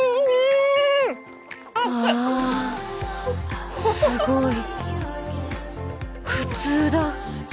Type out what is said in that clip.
わあすごい普通だ